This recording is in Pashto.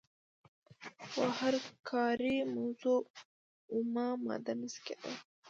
خو هره کاري موضوع اومه ماده نشي کیدای.